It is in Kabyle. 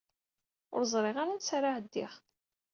Ur ẓṛiɣ ara ansa ara ɛeddiɣ.